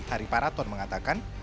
hari paraton mengatakan